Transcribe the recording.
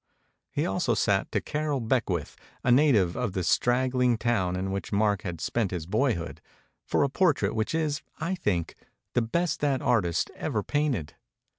He also sat to Carroll Beckwith, a native of the straggling town in which Mark had spent his boyhood, for a portrait which is, I think, the best that artist ever painted.